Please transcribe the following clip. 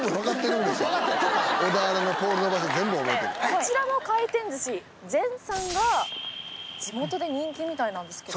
こちらの回転寿司禅さんが地元で人気みたいなんですけど。